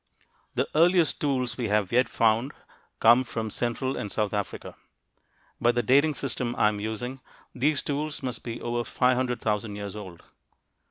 The earliest tools we have yet found come from central and south Africa. By the dating system I'm using, these tools must be over 500,000 years old.